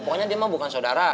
pokoknya dia mah bukan sodara